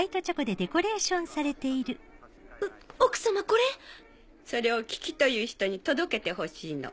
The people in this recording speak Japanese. これ⁉それをキキという人に届けてほしいの。